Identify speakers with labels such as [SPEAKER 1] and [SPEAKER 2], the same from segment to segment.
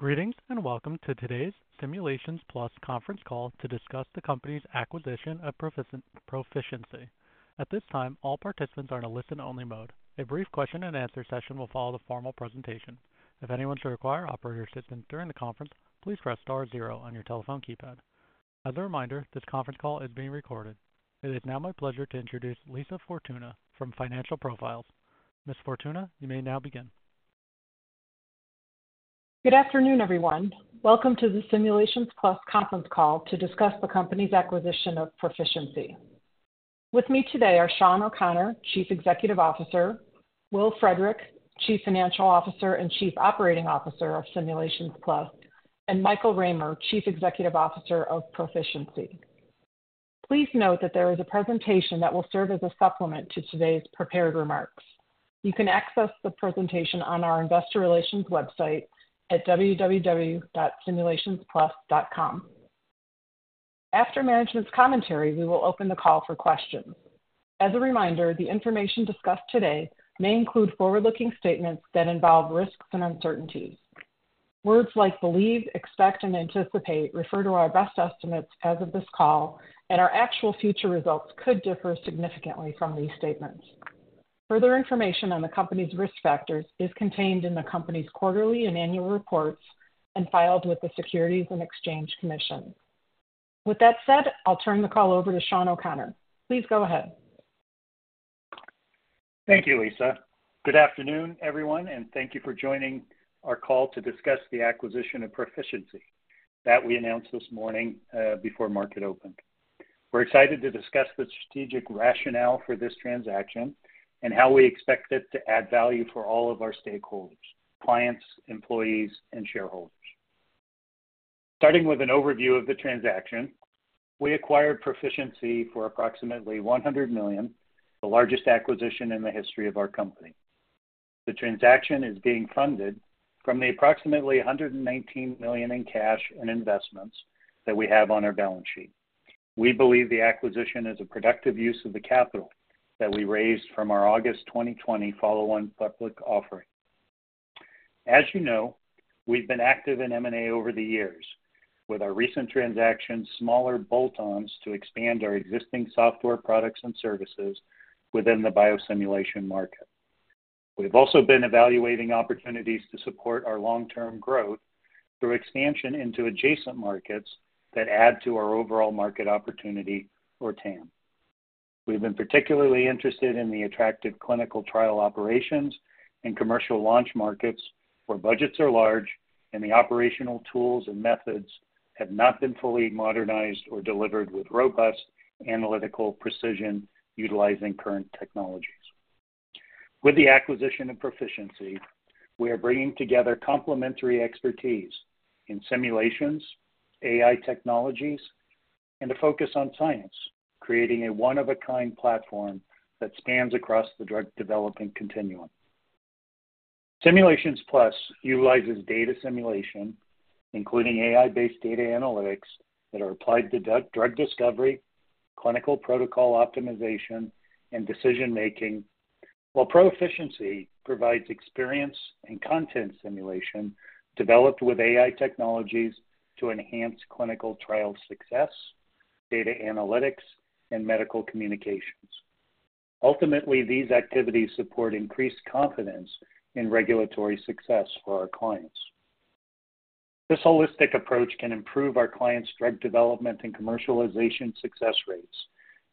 [SPEAKER 1] Greetings, and welcome to today's Simulations Plus conference call to discuss the company's acquisition of Pro-ficiency. At this time, all participants are in a listen-only mode. A brief question and answer session will follow the formal presentation. If anyone should require operator assistance during the conference, please press star zero on your telephone keypad. As a reminder, this conference call is being recorded. It is now my pleasure to introduce Lisa Fortuna from Financial Profiles. Ms. Fortuna, you may now begin.
[SPEAKER 2] Good afternoon, everyone. Welcome to the Simulations Plus conference call to discuss the company's acquisition of Pro-ficiency. With me today are Sean O'Connor, Chief Executive Officer; Will Frederick, Chief Financial Officer and Chief Operating Officer of Simulations Plus; and Michael Raymer, Chief Executive Officer of Pro-ficiency. Please note that there is a presentation that will serve as a supplement to today's prepared remarks. You can access the presentation on our investor relations website at www.simulationsplus.com. After management's commentary, we will open the call for questions. As a reminder, the information discussed today may include forward-looking statements that involve risks and uncertainties. Words like believe, expect, and anticipate refer to our best estimates as of this call, and our actual future results could differ significantly from these statements. Further information on the company's risk factors is contained in the company's quarterly and annual reports and filed with the Securities and Exchange Commission. With that said, I'll turn the call over to Sean O'Connor. Please go ahead.
[SPEAKER 3] Thank you, Lisa. Good afternoon, everyone, and thank you for joining our call to discuss the acquisition of Pro-ficiency that we announced this morning before market opened. We're excited to discuss the strategic rationale for this transaction and how we expect it to add value for all of our stakeholders, clients, employees, and shareholders. Starting with an overview of the transaction, we acquired Pro-ficiency for approximately $100 million, the largest acquisition in the history of our company. The transaction is being funded from the approximately $119 million in cash and investments that we have on our balance sheet. We believe the acquisition is a productive use of the capital that we raised from our August 2020 follow-on public offering. As you know, we've been active in M&A over the years with our recent transactions, smaller bolt-ons to expand our existing software products and services within the biosimulation market. We've also been evaluating opportunities to support our long-term growth through expansion into adjacent markets that add to our overall market opportunity or TAM. We've been particularly interested in the attractive clinical trial operations and commercial launch markets, where budgets are large and the operational tools and methods have not been fully modernized or delivered with robust analytical precision utilizing current technologies. With the acquisition of Pro-ficiency, we are bringing together complementary expertise in simulations, AI technologies, and a focus on science, creating a one-of-a-kind platform that spans across the drug development continuum. Simulations Plus utilizes data simulation, including AI-based data analytics, that are applied to drug discovery, clinical protocol optimization, and decision-making, while Pro-ficiency provides experience and content simulation developed with AI technologies to enhance clinical trial success, data analytics, and medical communications. Ultimately, these activities support increased confidence in regulatory success for our clients. This holistic approach can improve our clients' drug development and commercialization success rates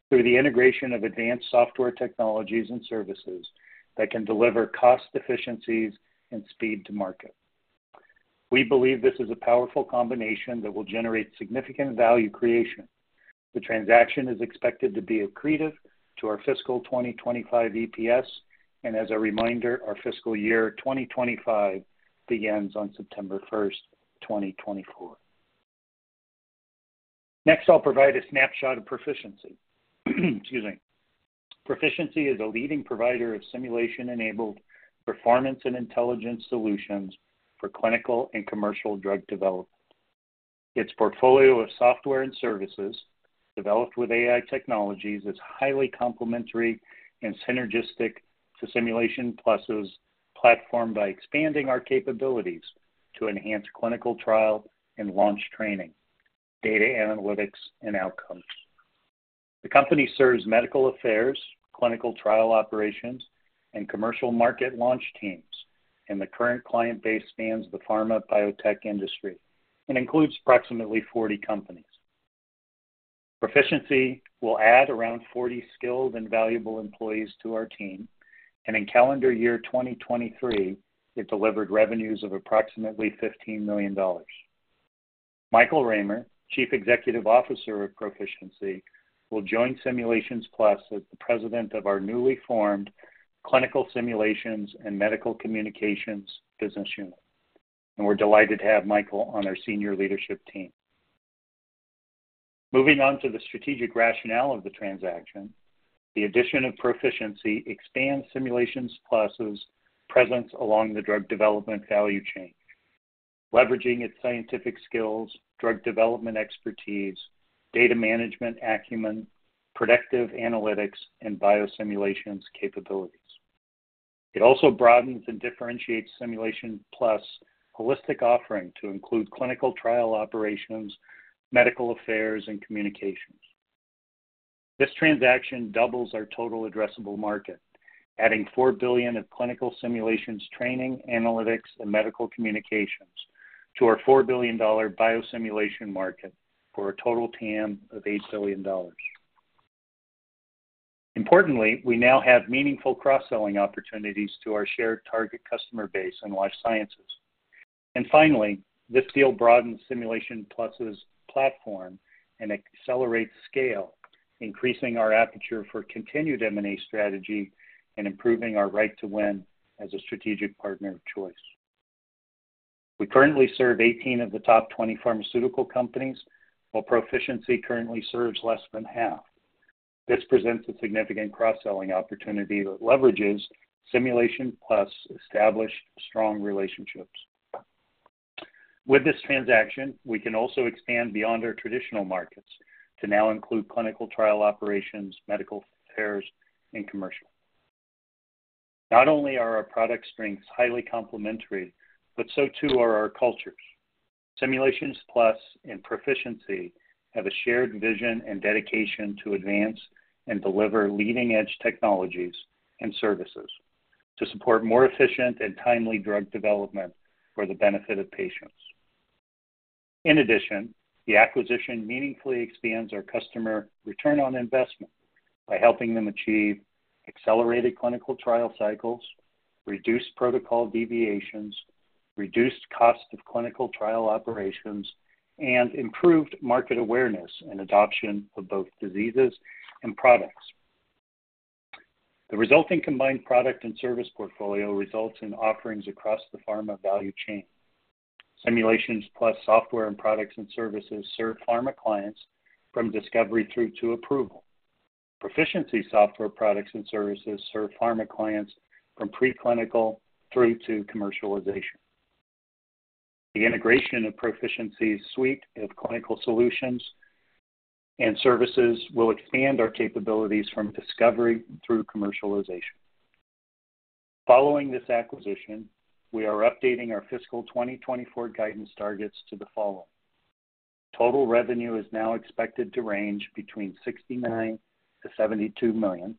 [SPEAKER 3] through the integration of advanced software technologies and services that can deliver cost efficiencies and speed to market. We believe this is a powerful combination that will generate significant value creation. The transaction is expected to be accretive to our fiscal 2025 EPS, and as a reminder, our fiscal year 2025 begins on September 1, 2024. Next, I'll provide a snapshot of Pro-ficiency. Excuse me. Pro-ficiency is a leading provider of simulation-enabled performance and intelligence solutions for clinical and commercial drug development. Its portfolio of software and services, developed with AI technologies, is highly complementary and synergistic to Simulations Plus's platform by expanding our capabilities to enhance clinical trial and launch training, data analytics, and outcomes. The company serves medical affairs, clinical trial operations, and commercial market launch teams, and the current client base spans the pharma biotech industry and includes approximately 40 companies. Pro-ficiency will add around 40 skilled and valuable employees to our team, and in calendar year 2023, it delivered revenues of approximately $15 million. Michael Raymer, Chief Executive Officer of Pro-ficiency, will join Simulations Plus as the president of our newly formed Clinical Simulations and Medical Communications business unit, and we're delighted to have Michael on our senior leadership team. Moving on to the strategic rationale of the transaction, the addition of Pro-ficiency expands Simulations Plus's presence along the drug development value chain, leveraging its scientific skills, drug development expertise, data management acumen, productive analytics, and biosimulations capabilities. It also broadens and differentiates Simulations Plus' holistic offering to include clinical trial operations, medical affairs, and communications. This transaction doubles our total addressable market, adding $4 billion of clinical simulations, training, analytics, and medical communications to our $4 billion biosimulation market for a total TAM of $8 billion. Importantly, we now have meaningful cross-selling opportunities to our shared target customer base in life sciences. Finally, this deal broadens Simulations Plus' platform and accelerates scale, increasing our aperture for continued M&A strategy and improving our right to win as a strategic partner of choice. We currently serve 18 of the top 20 pharmaceutical companies, while Pro-ficiency currently serves less than half. This presents a significant cross-selling opportunity that leverages Simulations Plus' established strong relationships. With this transaction, we can also expand beyond our traditional markets to now include clinical trial operations, medical affairs, and commercial. Not only are our product strengths highly complementary, but so too are our cultures. Simulations Plus and Pro-ficiency have a shared vision and dedication to advance and deliver leading-edge technologies and services to support more efficient and timely drug development for the benefit of patients. In addition, the acquisition meaningfully expands our customer return on investment by helping them achieve accelerated clinical trial cycles, reduced protocol deviations, reduced cost of clinical trial operations, and improved market awareness and adoption of both diseases and products. The resulting combined product and service portfolio results in offerings across the pharma value chain. Simulations Plus software and products and services serve pharma clients from discovery through to approval. Pro-ficiency software, products, and services serve pharma clients from preclinical through to commercialization. The integration of Pro-ficiency's suite of clinical solutions and services will expand our capabilities from discovery through commercialization. Following this acquisition, we are updating our fiscal 2024 guidance targets to the following. Total revenue is now expected to range between $69-$72 million.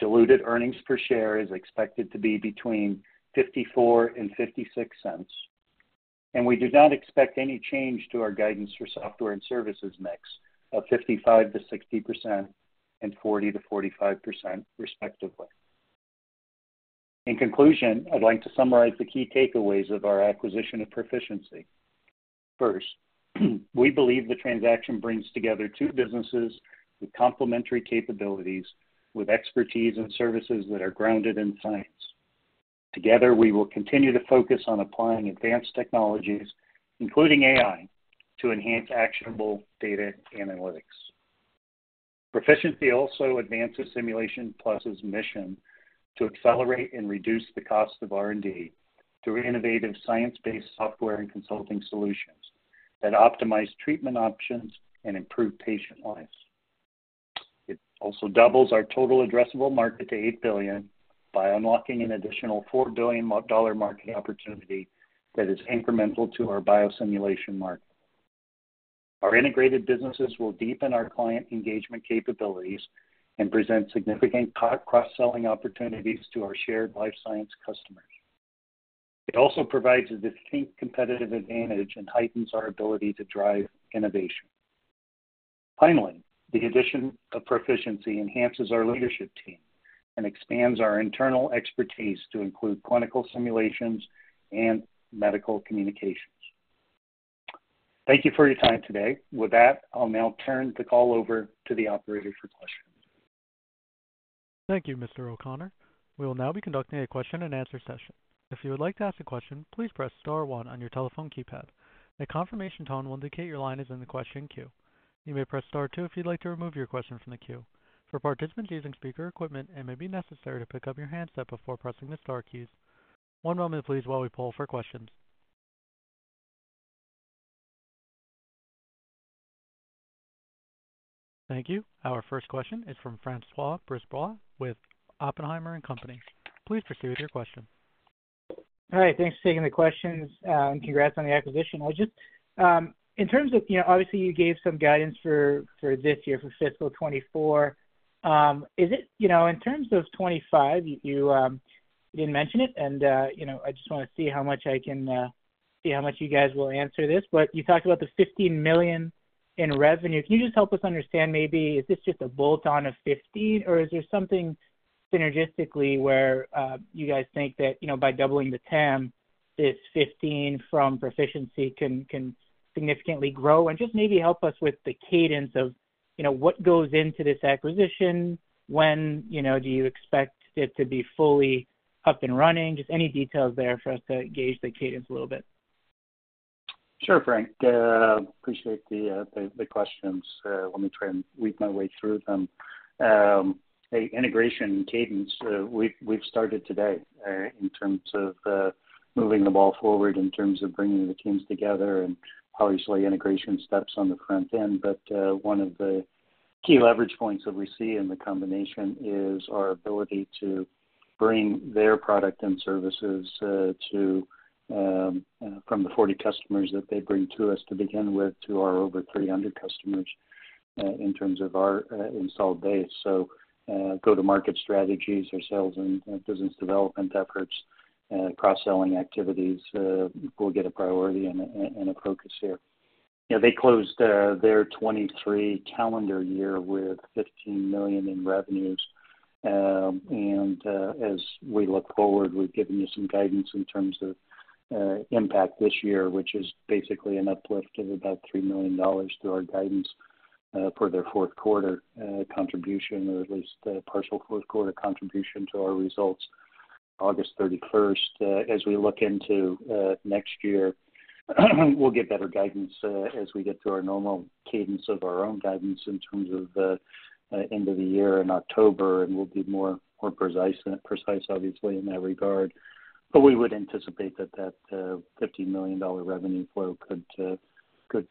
[SPEAKER 3] Diluted earnings per share is expected to be between $0.54 and $0.56, and we do not expect any change to our guidance for software and services mix of 55%-60% and 40%-45%, respectively. In conclusion, I'd like to summarize the key takeaways of our acquisition of Pro-ficiency. First, we believe the transaction brings together two businesses with complementary capabilities, with expertise and services that are grounded in science. Together, we will continue to focus on applying advanced technologies, including AI, to enhance actionable data analytics. Pro-ficiency also advances Simulations Plus' mission to accelerate and reduce the cost of R&D through innovative science-based software and consulting solutions that optimize treatment options and improve patient lives. It also doubles our total addressable market to $8 billion by unlocking an additional $4 billion dollar market opportunity that is incremental to our biosimulation market. Our integrated businesses will deepen our client engagement capabilities and present significant cross-selling opportunities to our shared life science customers. It also provides a distinct competitive advantage and heightens our ability to drive innovation. Finally, the addition of Pro-ficiency enhances our leadership team and expands our internal expertise to include clinical simulations and medical communications. Thank you for your time today. With that, I'll now turn the call over to the operator for questions.
[SPEAKER 1] Thank you, Mr. O'Connor. We will now be conducting a question-and-answer session. If you would like to ask a question, please press star one on your telephone keypad. A confirmation tone will indicate your line is in the question queue. You may press star two if you'd like to remove your question from the queue. For participants using speaker equipment, it may be necessary to pick up your handset before pressing the star keys. One moment, please, while we poll for questions. Thank you. Our first question is from Francois Brisebois with Oppenheimer and Company. Please proceed with your question.
[SPEAKER 4] Hi, thanks for taking the questions, and congrats on the acquisition. I just, in terms of, you know, obviously you gave some guidance for, for this year, for fiscal 2024. Is it, you know, in terms of 2025, you, you didn't mention it and, you know, I just want to see how much I can, see how much you guys will answer this. But you talked about the $15 million in revenue. Can you just help us understand maybe, is this just a bolt-on of 15, or is there something synergistically where, you guys think that, you know, by doubling the TAM, this 15 from Pro-ficiency can, can significantly grow? And just maybe help us with the cadence of, you know, what goes into this acquisition? When, you know, do you expect it to be fully up and running? Just any details there for us to gauge the cadence a little bit.
[SPEAKER 3] Sure, Frank. Appreciate the questions. Let me try and weave my way through them. The integration cadence, we've started today, in terms of moving the ball forward in terms of bringing the teams together and obviously integration steps on the front end. But one of the key leverage points that we see in the combination is our ability to bring their product and services to, from the 40 customers that they bring to us to begin with, to our over 300 customers, in terms of our installed base. So go-to-market strategies or sales and business development efforts and cross-selling activities will get a priority and a focus here. Yeah, they closed their 2023 calendar year with $15 million in revenues. As we look forward, we've given you some guidance in terms of impact this year, which is basically an uplift of about $3 million to our guidance for their Q4 contribution, or at least the partial Q4 contribution to our results, August thirty-first. As we look into next year, we'll get better guidance as we get to our normal cadence of our own guidance in terms of the end of the year in October, and we'll be more precise, obviously, in that regard. But we would anticipate that that $15 million revenue flow could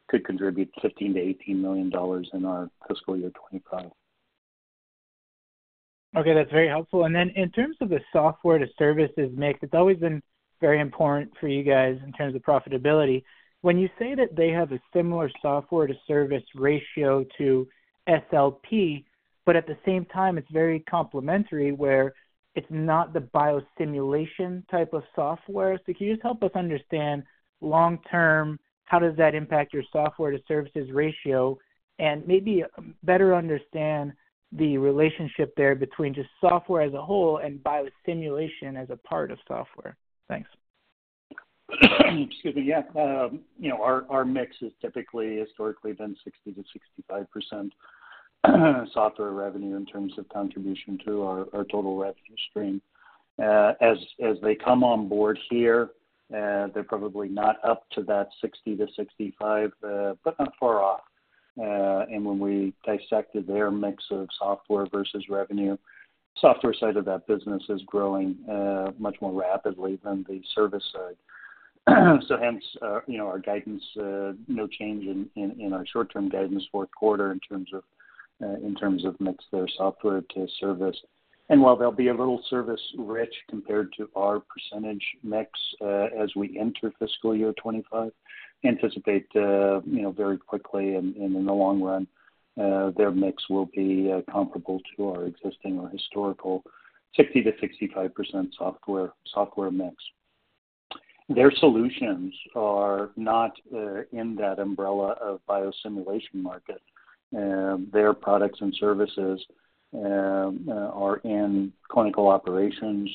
[SPEAKER 3] contribute $15-$18 million in our fiscal year 2025.
[SPEAKER 4] Okay, that's very helpful. And then in terms of the software to services mix, it's always been very important for you guys in terms of profitability. When you say that they have a similar software to service ratio to SLP, but at the same time it's very complementary, where it's not the biosimulation type of software. So can you just help us understand long term, how does that impact your software to services ratio? And maybe better understand the relationship there between just software as a whole and biosimulation as a part of software? Thanks.
[SPEAKER 3] Excuse me. Yeah. You know, our mix is typically historically been 60%-65% software revenue in terms of contribution to our total revenue stream. As they come on board here, they're probably not up to that 60-65, but not far off. And when we dissected their mix of software versus revenue, software side of that business is growing much more rapidly than the service side. So hence, you know, our guidance, no change in our short-term guidance Q4 in terms of mix, their software to service. And while they'll be a little service rich compared to our percentage mix, as we enter fiscal year 25, anticipate, you know, very quickly and, and in the long run, their mix will be, comparable to our existing or historical 60%-65% software, software mix. Their solutions are not, in that umbrella of biosimulation market. Their products and services, are in clinical operations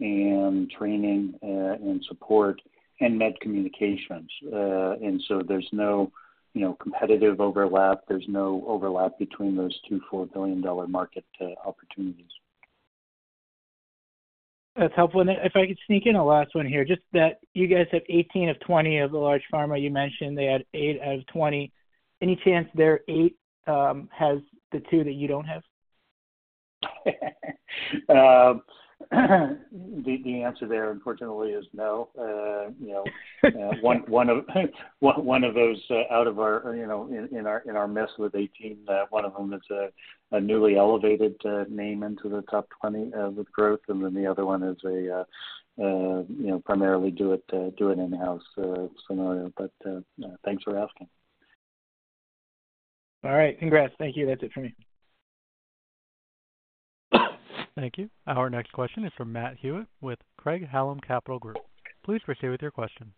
[SPEAKER 3] and training, and support, and med communications. And so there's no, you know, competitive overlap. There's no overlap between those two $4 billion market, opportunities.
[SPEAKER 4] That's helpful. And if I could sneak in a last one here, just that you guys have 18 of 20 of the large pharma. You mentioned they had 8 out of 20. Any chance their 8 has the 2 that you don't have?
[SPEAKER 3] The answer there, unfortunately, is no. You know one of those out of our, you know, in our mix with 18, one of them is a newly elevated name into the top 20 with growth, and then the other one is a, you know, primarily do it in-house scenario. But thanks for asking.
[SPEAKER 4] All right. Congrats. Thank you. That's it for me.
[SPEAKER 1] Thank you. Our next question is from Matt Hewitt with Craig-Hallum Capital Group. Please proceed with your question.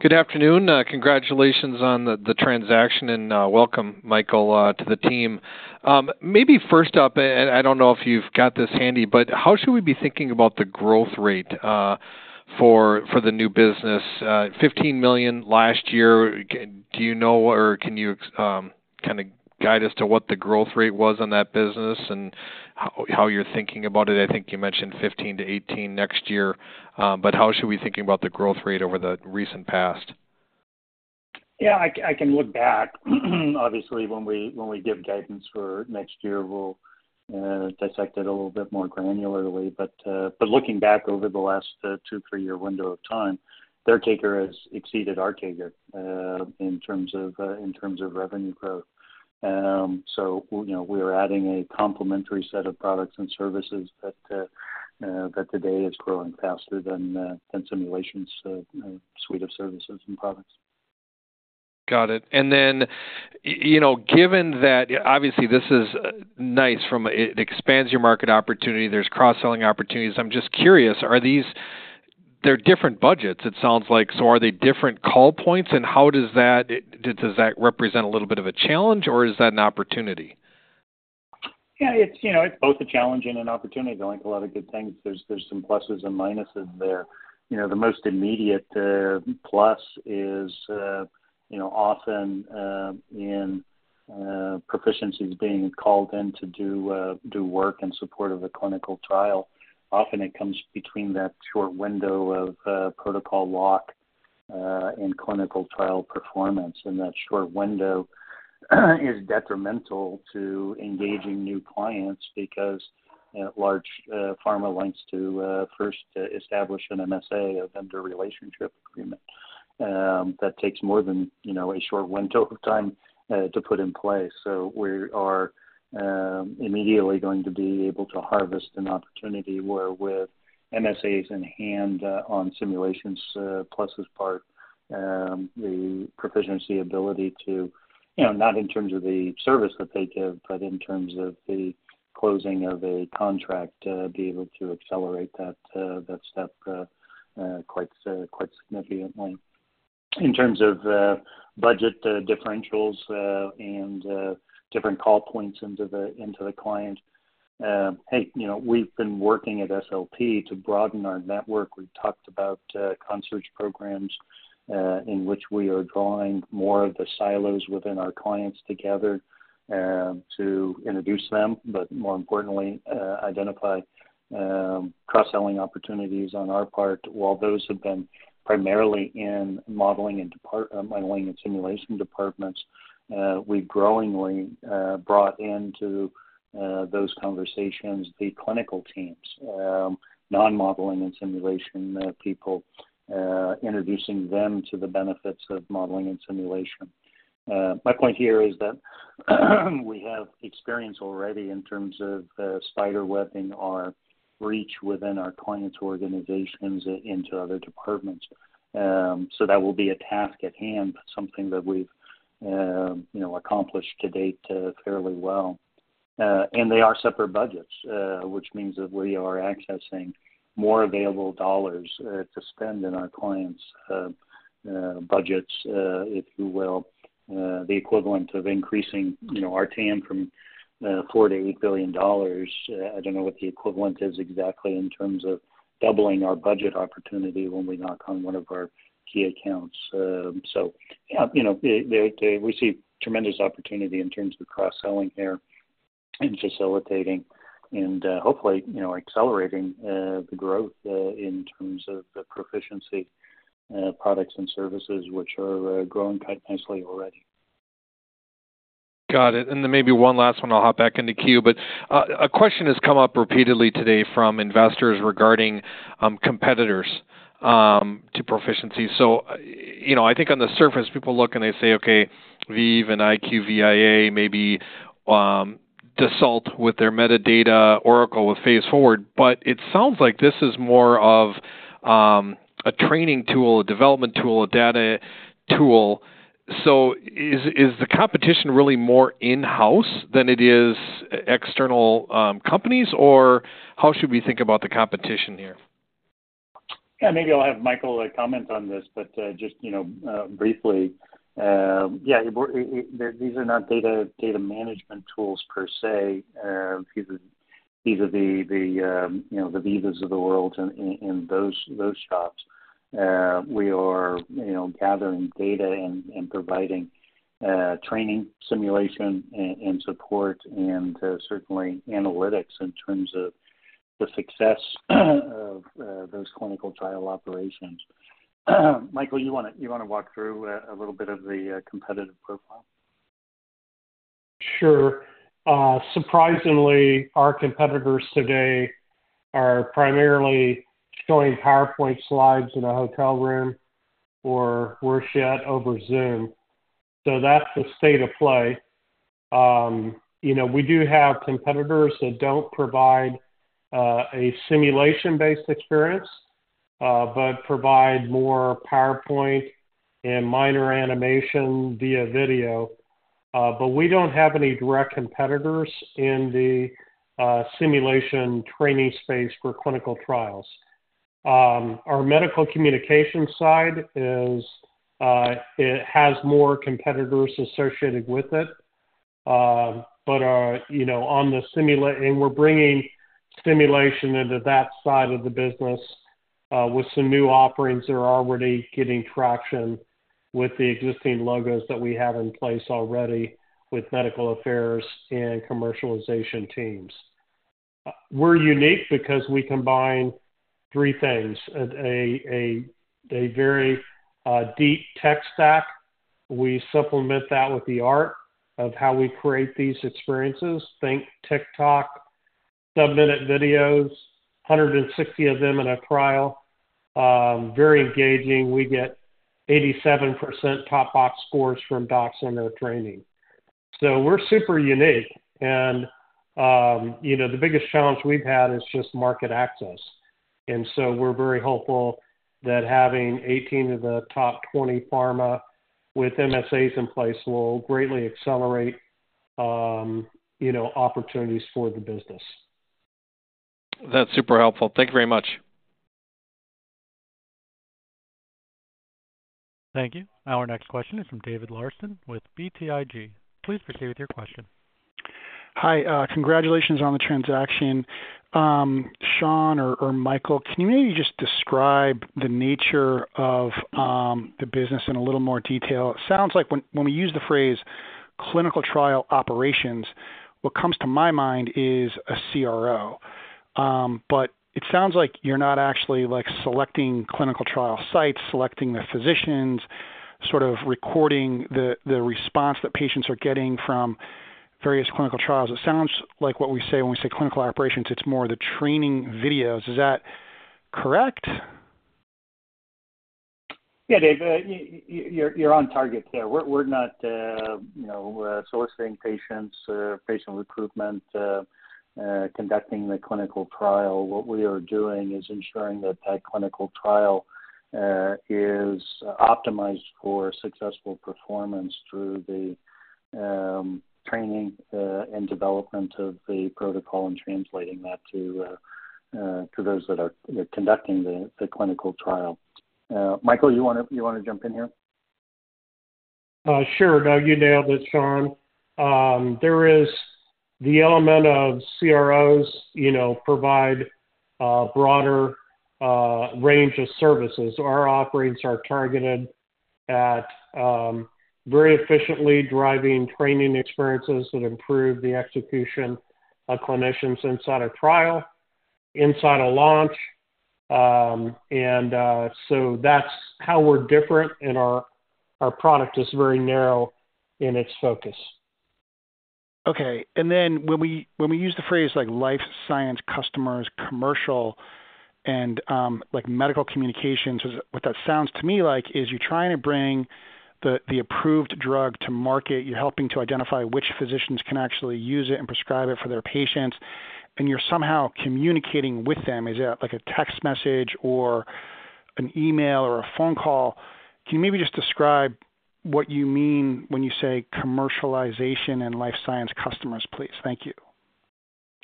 [SPEAKER 5] Good afternoon. Congratulations on the transaction, and welcome, Michael, to the team. Maybe first up, and I don't know if you've got this handy, but how should we be thinking about the growth rate for the new business? $15 million last year. Do you know, or can you kind of guide us to what the growth rate was on that business and how you're thinking about it? I think you mentioned $15 million-$18 million next year. But how should we be thinking about the growth rate over the recent past?
[SPEAKER 3] Yeah, I can look back. Obviously, when we give guidance for next year, we'll dissect it a little bit more granularly. But looking back over the last 2-3-year window of time, the latter has exceeded the former in terms of revenue growth. So, you know, we are adding a complementary set of products and services that today is growing faster than Simulations suite of services and products.
[SPEAKER 5] Got it. And then, you know, given that obviously this is nice from a, it expands your market opportunity, there's cross-selling opportunities. I'm just curious, are these, they're different budgets, it sounds like. So are they different call points, and how does that, does that represent a little bit of a challenge, or is that an opportunity?
[SPEAKER 3] Yeah, it's, you know, it's both a challenge and an opportunity. Like a lot of good things, there's some pluses and minuses there. You know, the most immediate plus is, you know, often in Pro-ficiency being called in to do work in support of a clinical trial, often it comes between that short window of protocol lock and clinical trial performance. And that short window is detrimental to engaging new clients because large pharma likes to first establish an MSA, a vendor relationship agreement. That takes more than, you know, a short window of time to put in place. So we are immediately going to be able to harvest an opportunity where with MSAs in hand on Simulations Plus' part, the Pro-ficiency ability to, you know, not in terms of the service that they give, but in terms of the closing of a contract, be able to accelerate that, that step, quite, quite significantly. In terms of budget differentials and different call points into the client. Hey, you know, we've been working at SLP to broaden our network. We've talked about concierge programs in which we are drawing more of the silos within our clients together to introduce them, but more importantly, identify cross-selling opportunities on our part. While those have been primarily in modeling and simulation departments, we've growingly brought into those conversations the clinical teams, non-modeling and simulation people, introducing them to the benefits of modeling and simulation. My point here is that we have experience already in terms of spiderwebbing our reach within our clients' organizations into other departments. So that will be a task at hand, something that we've you know accomplished to date fairly well. And they are separate budgets, which means that we are accessing more available dollars to spend in our clients' budgets, if you will. The equivalent of increasing you know our TAM from $4-$8 billion. I don't know what the equivalent is exactly in terms of doubling our budget opportunity when we knock on one of our key accounts. So, yeah, you know, they, we see tremendous opportunity in terms of cross-selling here and facilitating and, hopefully, you know, accelerating the growth in terms of the Pro-ficiency products and services, which are growing quite nicely already.
[SPEAKER 5] Got it. And then maybe one last one, I'll hop back in the queue. But a question has come up repeatedly today from investors regarding competitors to Pro-ficiency. So, you know, I think on the surface, people look and they say, okay, Veeva and IQVIA, maybe Dassault with their Medidata, Oracle with Phase Forward. But it sounds like this is more of a training tool, a development tool, a data tool. So is the competition really more in-house than it is external companies, or how should we think about the competition here?
[SPEAKER 3] Yeah, maybe I'll have Michael comment on this, but just, you know, briefly. Yeah, these are not data management tools per se. These are the Veevas of the world in those shops. We are gathering data and providing training, simulation, and support, and certainly analytics in terms of the success of those clinical trial operations. Michael, you want to walk through a little bit of the competitive profile?
[SPEAKER 6] Sure. Surprisingly, our competitors today are primarily showing PowerPoint slides in a hotel room or worse yet, over Zoom. So that's the state of play. You know, we do have competitors that don't provide a simulation-based experience, but provide more PowerPoint and minor animation via video. But we don't have any direct competitors in the simulation training space for clinical trials. Our medical communication side is it has more competitors associated with it. But you know, on the and we're bringing simulation into that side of the business, with some new offerings that are already getting traction with the existing logos that we have in place already with medical affairs and commercialization teams. We're unique because we combine three things: a very deep tech stack. We supplement that with the art of how we create these experiences. Think TikTok, sub-minute videos, 160 of them in a trial. Very engaging. We get 87% top box scores from docs on their training. So we're super unique, and, you know, the biggest challenge we've had is just market access. And so we're very hopeful that having 18 of the top 20 pharma with MSAs in place will greatly accelerate, you know, opportunities for the business.
[SPEAKER 5] That's super helpful. Thank you very much.
[SPEAKER 1] Thank you. Our next question is from David Larson with BTIG. Please proceed with your question.
[SPEAKER 7] Hi, congratulations on the transaction. Sean or, or Michael, can you maybe just describe the nature of the business in a little more detail? It sounds like when we use the phrase clinical trial operations, what comes to my mind is a CRO. But it sounds like you're not actually, like, selecting clinical trial sites, selecting the physicians, sort of recording the response that patients are getting from various clinical trials. It sounds like what we say when we say clinical operations, it's more the training videos. Is that correct?
[SPEAKER 3] Yeah, Dave, you're on target there. We're not, you know, sourcing patients or patient recruitment, conducting the clinical trial. What we are doing is ensuring that that clinical trial is optimized for successful performance through the training and development of the protocol and translating that to those that are, you know, conducting the clinical trial. Michael, you want to jump in here?
[SPEAKER 6] Sure. No, you nailed it, Sean. There is the element of CROs, you know, provide broader range of services. Our offerings are targeted at very efficiently driving training experiences that improve the execution of clinicians inside a trial, inside a launch. And so that's how we're different, and our product is very narrow in its focus.
[SPEAKER 7] Okay. Then when we use the phrase like life science customers, commercial, and like medical communications, is it—what that sounds to me like is you're trying to bring the approved drug to market. You're helping to identify which physicians can actually use it and prescribe it for their patients, and you're somehow communicating with them. Is that like a text message or an email or a phone call? Can you maybe just describe what you mean when you say commercialization and life science customers, please? Thank you.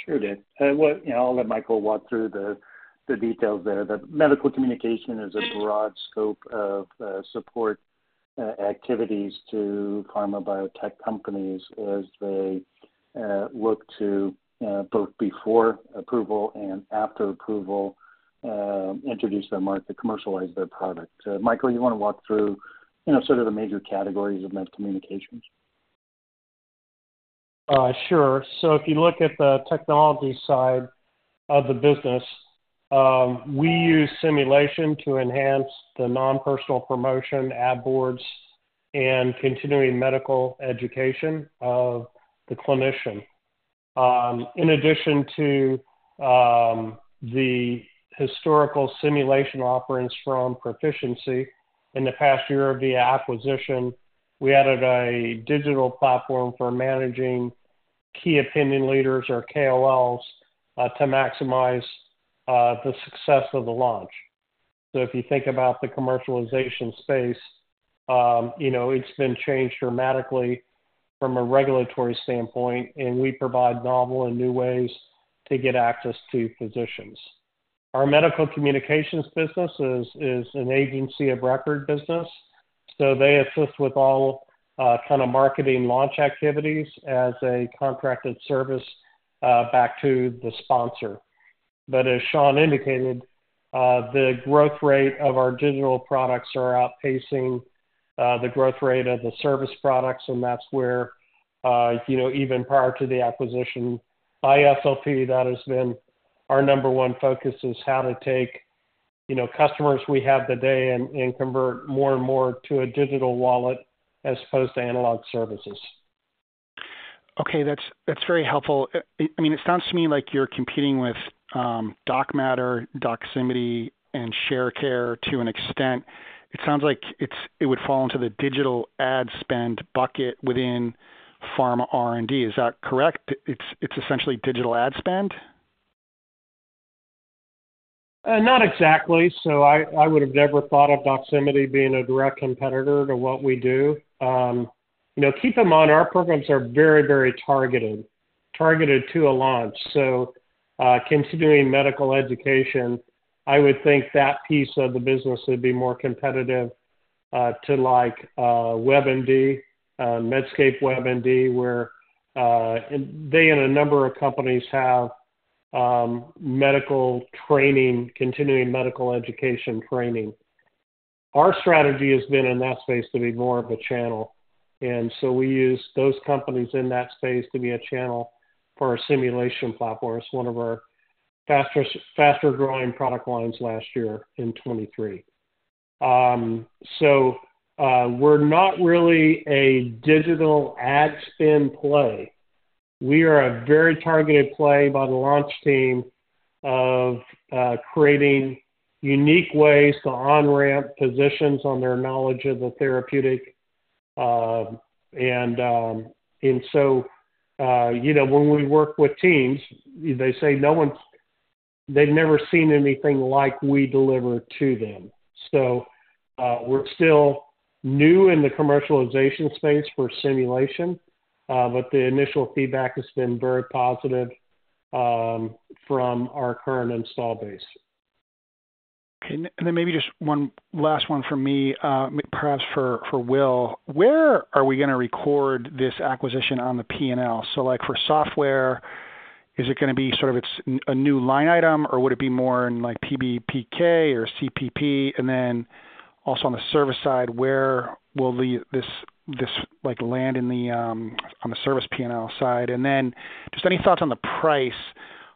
[SPEAKER 3] Sure, Dave. Well, you know, I'll let Michael walk through the details there. The medical communication is a broad scope of support activities to pharma biotech companies as they look to both before approval and after approval introduce their market to commercialize their product. Michael, you want to walk through, you know, sort of the major categories of med communications?
[SPEAKER 6] Sure. So if you look at the technology side of the business, we use simulation to enhance the non-personal promotion, ad boards, and continuing medical education of the clinician. In addition to the historical simulation offerings from Pro-ficiency in the past year via acquisition, we added a digital platform for managing key opinion leaders or KOLs to maximize the success of the launch. So if you think about the commercialization space, you know, it's been changed dramatically from a regulatory standpoint, and we provide novel and new ways to get access to physicians. Our medical communications business is an agency of record business, so they assist with all kind of marketing launch activities as a contracted service back to the sponsor. But as Sean indicated, the growth rate of our digital products are outpacing the growth rate of the service products, and that's where, you know, even prior to the acquisition by SLP, that has been our number one focus is how to take, you know, customers we have today and, and convert more and more to a digital wallet as opposed to analog services.
[SPEAKER 7] Okay, that's, that's very helpful. I, I mean, it sounds to me like you're competing with DocMatter, Doximity and Sharecare to an extent. It sounds like it's. It would fall into the digital ad spend bucket within pharma R&D. Is that correct? It's, it's essentially digital ad spend.
[SPEAKER 6] Not exactly. So I would have never thought of Doximity being a direct competitor to what we do. You know, keep in mind, our programs are very, very targeted, targeted to a launch. So, considering medical education, I would think that piece of the business would be more competitive to like, WebMD, Medscape WebMD, where they and a number of companies have medical training, continuing medical education training. Our strategy has been in that space to be more of a channel, and so we use those companies in that space to be a channel for our simulation platform. It's one of our faster growing product lines last year in 2023. So, we're not really a digital ad spin play. We are a very targeted play by the launch team of creating unique ways to on-ramp physicians on their knowledge of the therapeutic. And so, you know, when we work with teams, they say no one's they've never seen anything like we deliver to them. So, we're still new in the commercialization space for simulation, but the initial feedback has been very positive from our current installed base.
[SPEAKER 7] Then maybe just one last one from me, perhaps for Will. Where are we going to record this acquisition on the P&L? So, like, for software, is it going to be sort of it's a new line item, or would it be more in, like, PBPK or CPP? And then also on the service side, where will this like land in the on the service P&L side? And then just any thoughts on the price?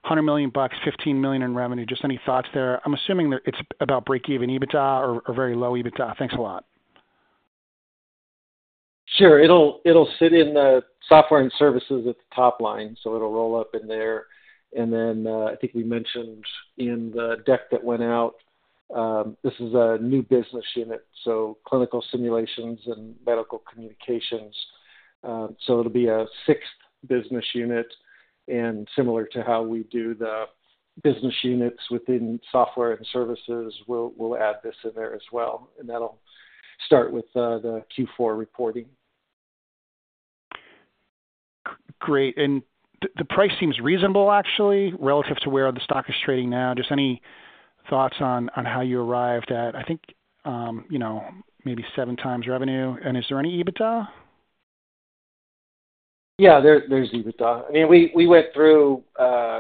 [SPEAKER 7] $100 million bucks, $15 million in revenue. Just any thoughts there? I'm assuming that it's about breakeven EBITDA or, or very low EBITDA. Thanks a lot.
[SPEAKER 8] Sure. It'll sit in the software and services at the top line, so it'll roll up in there. And then, I think we mentioned in the deck that went out, this is a new business unit, so clinical simulations and medical communications. So it'll be a sixth business unit, and similar to how we do the business units within software and services, we'll add this in there as well, and that'll start with the Q4 reporting.
[SPEAKER 6] Great. And the price seems reasonable, actually, relative to where the stock is trading now. Just any thoughts on how you arrived at, I think, you know, maybe 7x revenue, and is there any EBITDA?
[SPEAKER 3] Yeah, there, there's EBITDA. I mean, we, we went through a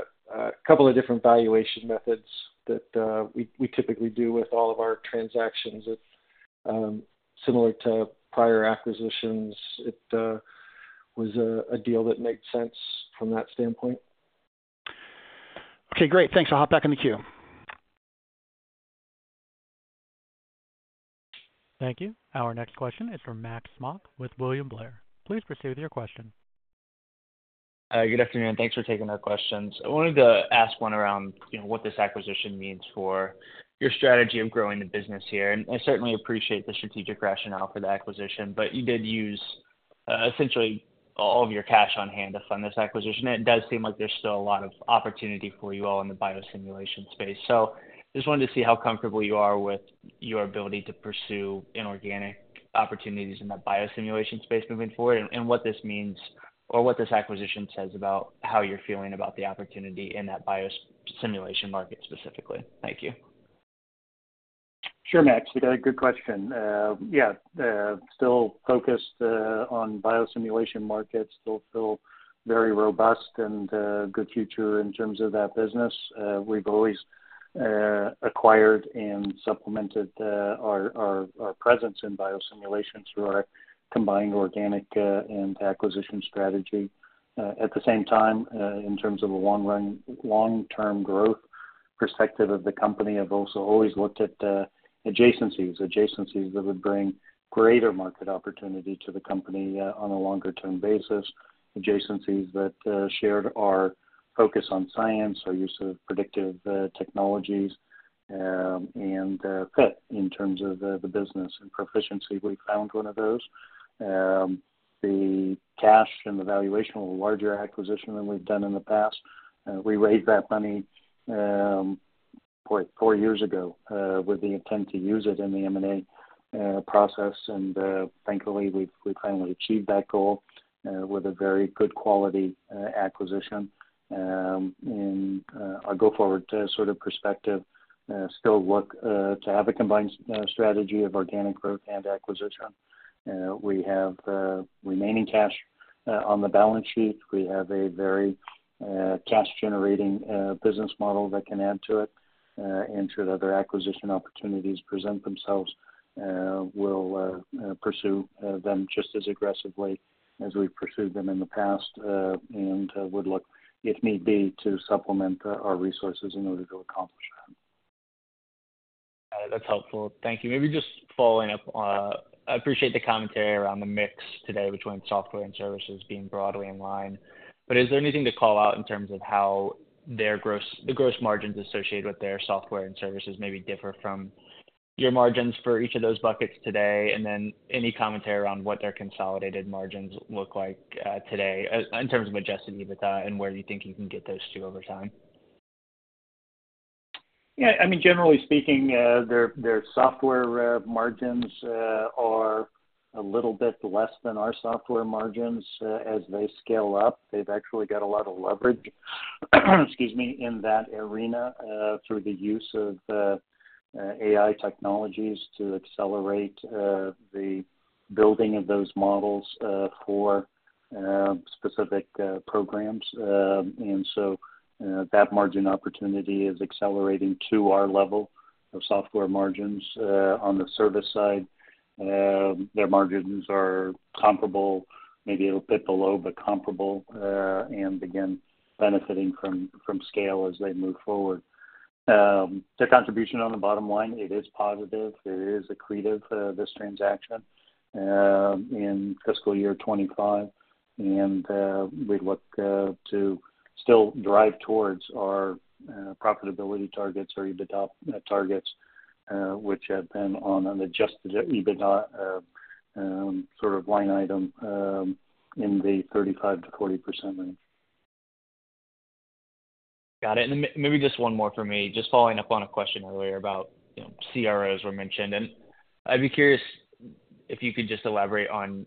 [SPEAKER 3] couple of different valuation methods that we, we typically do with all of our transactions. It's similar to prior acquisitions. It was a deal that made sense from that standpoint.
[SPEAKER 6] Okay, great. Thanks. I'll hop back in the queue.
[SPEAKER 1] Thank you. Our next question is from Max Smock with William Blair. Please proceed with your question.
[SPEAKER 9] Good afternoon. Thanks for taking our questions. I wanted to ask one around, you know, what this acquisition means for your strategy of growing the business here. I certainly appreciate the strategic rationale for the acquisition, but you did use, essentially all of your cash on hand to fund this acquisition. It does seem like there's still a lot of opportunity for you all in the Biosimulation space. So just wanted to see how comfortable you are with your ability to pursue inorganic opportunities in that Biosimulation space moving forward, and what this means or what this acquisition says about how you're feeling about the opportunity in that Biosimulation market specifically. Thank you.
[SPEAKER 3] Sure, Max. You got a good question. Yeah, still focused on biosimulation markets. Still feel very robust and good future in terms of that business. We've always acquired and supplemented our presence in biosimulation through our combined organic and acquisition strategy. At the same time, in terms of long-term growth perspective of the company, I've also always looked at adjacencies. Adjacencies that would bring greater market opportunity to the company on a longer term basis. Adjacencies that shared our focus on science, our use of predictive technologies, and fit in terms of the business and Pro-ficiency. We found one of those. The cash and the valuation were a larger acquisition than we've done in the past. We raised that money 4 years ago with the intent to use it in the M&A process, and thankfully, we finally achieved that goal with a very good quality acquisition. Our go forward sort of perspective still look to have a combined strategy of organic growth and acquisition. We have remaining cash on the balance sheet. We have a very cash-generating business model that can add to it, and should other acquisition opportunities present themselves, we'll pursue them just as aggressively as we've pursued them in the past, and would look, if need be, to supplement our resources in order to accomplish that.
[SPEAKER 9] That's helpful. Thank you. Maybe just following up, I appreciate the commentary around the mix today between software and services being broadly in line. But is there anything to call out in terms of how their gross—the gross margins associated with their software and services maybe differ from your margins for each of those buckets today? And then any commentary around what their consolidated margins look like, today, in terms of adjusted EBITDA and where you think you can get those to over time?
[SPEAKER 3] Yeah, I mean, generally speaking, their, their software margins are a little bit less than our software margins. As they scale up, they've actually got a lot of leverage, excuse me, in that arena through the use of AI technologies to accelerate the building of those models for specific programs. And so, that margin opportunity is accelerating to our level of software margins. On the service side, their margins are comparable, maybe a little bit below, but comparable, and again, benefiting from scale as they move forward. Their contribution on the bottom line, it is positive. It is accretive, this transaction, in fiscal year 2025, and we'd look to still drive towards our profitability targets or EBITDA targets, which have been on an adjusted EBITDA sort of line item in the 35%-40% range.
[SPEAKER 9] Got it. Maybe just one more for me. Just following up on a question earlier about, you know, CROs were mentioned, and I'd be curious if you could just elaborate on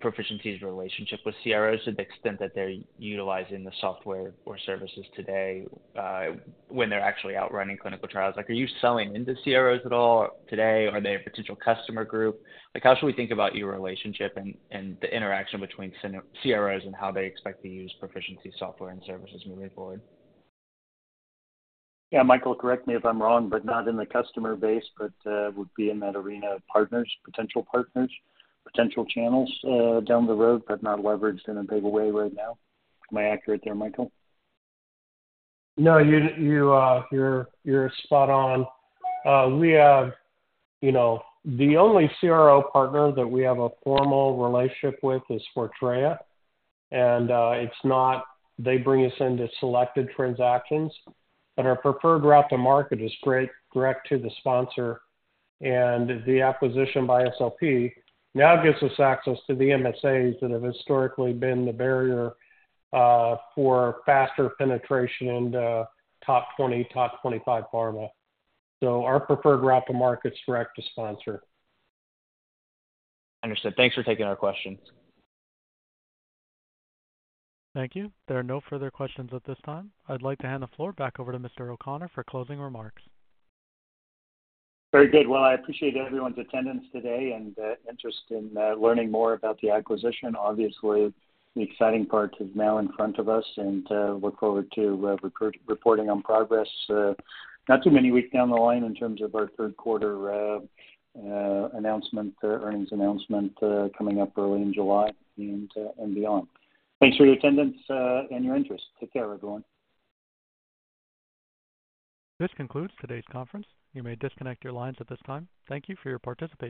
[SPEAKER 9] Pro-ficiency's relationship with CROs to the extent that they're utilizing the software or services today, when they're actually out running clinical trials. Like, are you selling into CROs at all today? Are they a potential customer group? Like, how should we think about your relationship and, and the interaction between CROs and how they expect to use Pro-ficiency software and services moving forward?
[SPEAKER 3] Yeah, Michael, correct me if I'm wrong, but not in the customer base, but would be in that arena of partners, potential partners, potential channels down the road, but not leveraged in a big way right now. Am I accurate there, Michael?
[SPEAKER 6] No, you're spot on. We have, you know, the only CRO partner that we have a formal relationship with is Fortrea, and it's not they bring us into selected transactions, but our preferred route to market is great, direct to the sponsor. And the acquisition by SLP now gets us access to the MSAs that have historically been the barrier for faster penetration into top 20, top 25 pharma. So our preferred route to market is direct to sponsor.
[SPEAKER 9] Understood. Thanks for taking our questions.
[SPEAKER 1] Thank you. There are no further questions at this time. I'd like to hand the floor back over to Mr. O'Connor for closing remarks.
[SPEAKER 3] Very good. Well, I appreciate everyone's attendance today and interest in learning more about the acquisition. Obviously, the exciting part is now in front of us and look forward to reporting on progress not too many weeks down the line in terms of our Q3 earnings announcement coming up early in July and beyond. Thanks for your attendance and your interest. Take care, everyone.
[SPEAKER 1] This concludes today's conference. You may disconnect your lines at this time. Thank you for your participation.